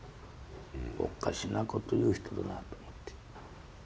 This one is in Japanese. おかしなこと言う人だなと思って。